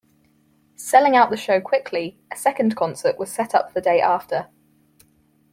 Selling out the show quickly, a second concert was set up the day after.